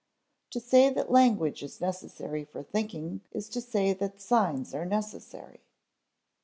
To say that language is necessary for thinking is to say that signs are necessary.